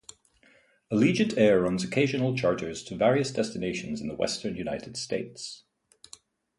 Allegiant Air runs occasional charters to various destinations in the western United States.